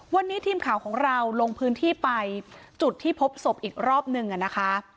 วันนี้ทีมข่าวของเราลงพื้นที่ไปจุดที่พบศพอีกรอบนึงนะคะ